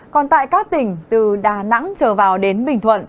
còn tại các tỉnh từ đà nẵng trở vào đến bình thuận